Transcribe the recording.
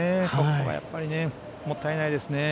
ここは、やっぱりもったいないですね。